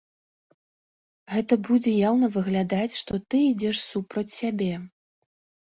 Гэта будзе яўна выглядаць, што ты ідзеш супраць сябе.